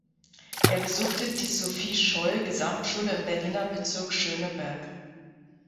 Er besuchte die Sophie-Scholl Gesamtschule im Berliner Bezirk Schöneberg.